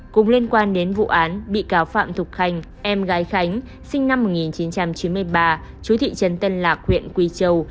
cùng liên quan đến vụ án bị cáo phạm thục khanh em gái khánh sinh năm một nghìn chín trăm chín mươi ba chú thị trấn tân lạc huyện quỳ châu